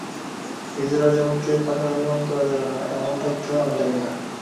ইজারার জমিতে পাকা ভবন করা যাবে না, এমন তথ্য আমি জানি না।